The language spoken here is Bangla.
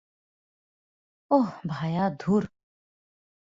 ওহ, ভায়া, ধুর।